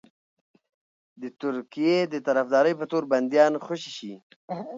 د ترکیې د طرفدارۍ په تور بنديان خوشي شي.